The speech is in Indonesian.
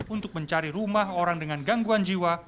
untuk mencari rumah orang dengan gangguan jiwa